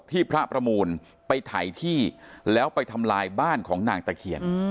พระประมูลไปไถที่แล้วไปทำลายบ้านของนางตะเคียน